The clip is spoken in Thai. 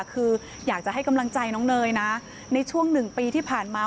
คืออยากจะให้กำลังใจน้องเนยนะในช่วงหนึ่งปีที่ผ่านมา